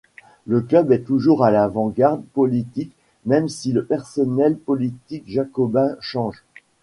Le Club est toujours à l’avant-garde politique même si le personnel politique jacobin change.